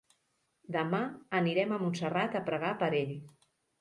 Demà anirem a Montserrat a pregar per ell.